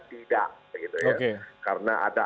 tidak karena ada